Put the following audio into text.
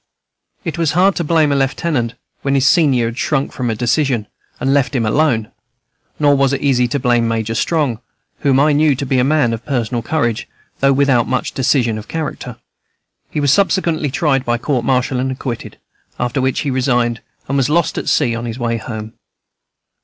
It was hard to blame a lieutenant when his senior had shrunk from a decision, and left him alone; nor was it easy to blame Major Strong, whom I knew to be a man of personal courage though without much decision of character. He was subsequently tried by court martial and acquitted, after which he resigned, and was lost at sea on his way home.